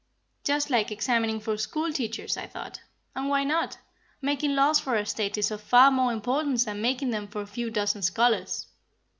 Just like examining for school teachers, I thought. And why not? Making laws for a State is of far more importance than making them for a few dozen scholars.